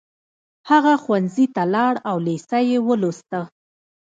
هغه ښوونځي ته لاړ او لېسه يې ولوسته.